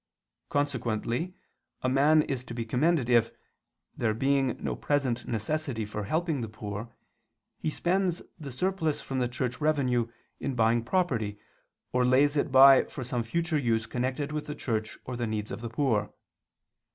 Consequently a man is to be commended if, there being no present necessity for helping the poor, he spends the surplus from the Church revenue, in buying property, or lays it by for some future use connected with the Church or the needs of the poor.